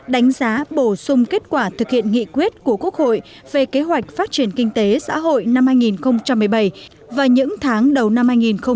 đánh giá bổ sung kết quả thực hiện nghị quyết của quốc hội về kế hoạch phát triển kinh tế xã hội năm hai nghìn một mươi bảy và những tháng đầu năm hai nghìn một mươi chín